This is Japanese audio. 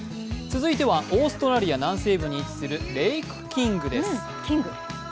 続いてはオーストラリア南西部に位置するレイク・キングです